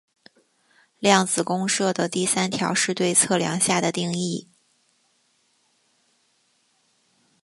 量子公设的第三条是对测量下的定义。